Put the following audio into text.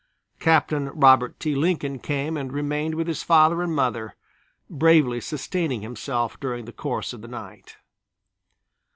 Captain Robert T. Lincoln came and remained with his father and mother, bravely sustaining himself during the course of the night.